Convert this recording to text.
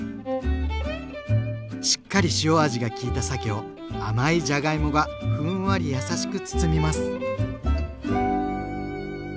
しっかり塩味がきいたさけを甘いじゃがいもがふんわり優しく包みます。